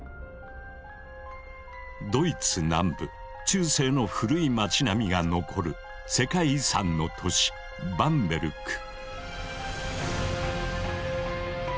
ドイツ南部中世の古い町並みが残る世界遺産の都市バンベルク。